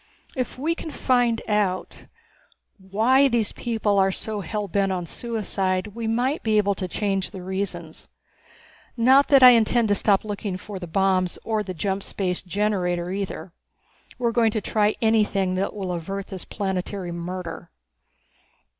If we can find out why these people are so hell bent on suicide we might be able to change the reasons. Not that I intend to stop looking for the bombs or the jump space generator either. We are going to try anything that will avert this planetary murder."